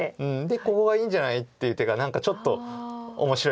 「ここがいいんじゃない？」っていう手が何かちょっと面白い手だったりして。